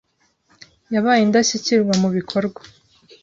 yabaye Indashyikirwa mu bikorwa